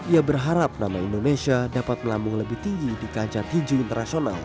ia berharap nama indonesia dapat melambung lebih tinggi di kancah tinju internasional